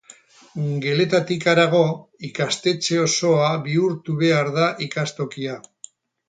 Geletatik harago, ikastetxe osoa bihurtu behar da ikastokia.